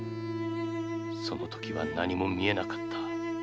そのときは何も見えなかった。